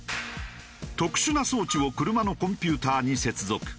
特殊な装置を車のコンピューターに接続。